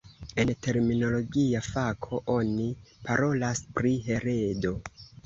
En terminologia fako, oni parolas pri heredo.